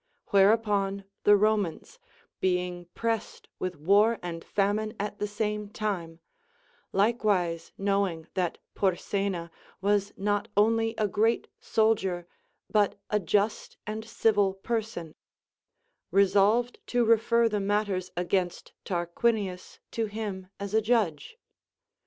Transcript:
Whereupon the Romans, being jiressed Avith war and famine at the same time, like wise knowing that Porsena Λvas not only a great soldier but a just and civil person, resolved to refer the matters against Tarquinius to him as a judge.